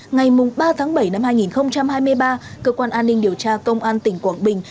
ngày ba tháng bảy năm hai nghìn hai mươi ba cơ quan an ninh điều tra công an tỉnh quảng bình